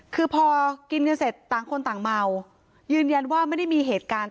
คือพอกินกันเสร็จต่างคนต่างเมายืนยันว่าไม่ได้มีเหตุการณ์